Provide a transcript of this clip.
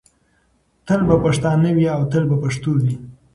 تل به پښتانه وي او تل به پښتو وي.